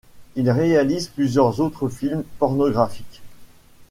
Il réalise plusieurs autres films pornographiques.